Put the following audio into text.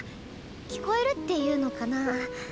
聞こえるっていうのかなあ。